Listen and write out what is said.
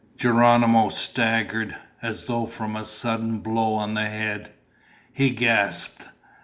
Geronimo staggered, as though from a sudden blow on the head. He gasped.